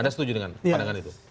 anda setuju dengan pandangan itu